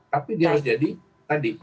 tapi dia harus jadi tadi